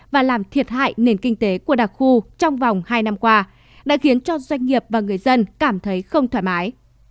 và làm thiệt hại nền kinh tế của đặc khu trong vòng hai năm qua đã khiến cho doanh nghiệp và người dân cảm thấy không thoải mái